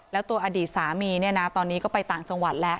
แล้วตัวอดีตสามีเนี่ยนะตอนนี้ก็ไปต่างจังหวัดแล้ว